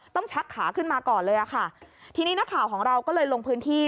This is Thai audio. ชักขาขึ้นมาก่อนเลยอ่ะค่ะทีนี้นักข่าวของเราก็เลยลงพื้นที่